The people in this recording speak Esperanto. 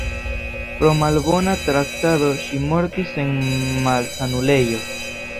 Pro malbona traktado ŝi mortis en malsanulejo.